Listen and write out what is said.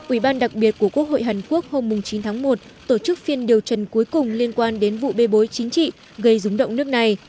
ủy ban đặc biệt của quốc hội hàn quốc hôm chín tháng một tổ chức phiên điều trần cuối cùng liên quan đến vụ bê bối chính trị gây rúng động nước này